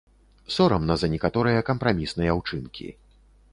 Сорамна за некаторыя кампрамісныя ўчынкі.